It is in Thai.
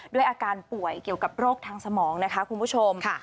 ด้วยอาการป่วยเกี่ยวกับโรคทางสมองนะคะคุณผู้ชม